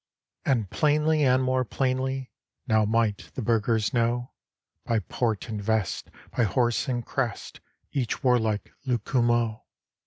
And plainly and more plainly Now might the burghers know, By port and vest, by horse and crest, Each warlike Lucumo.